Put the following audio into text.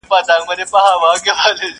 o توري يا باتور وهي، يا ئې له غمه سور وهي٫